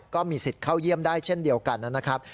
ก็มีสิทธิ์เข้าเยี่ยมได้เช่นเดียวกันนะครับ